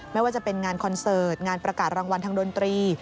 ไม่ว่าจะเป็นงานคอนเสิร์ตงานประกาศรางวัลทางดนตรี